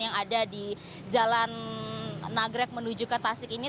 yang ada di jalan nagrek menuju ke tasik ini